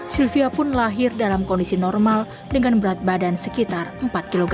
sylvia pun lahir dalam kondisi normal dengan berat badan sekitar empat kg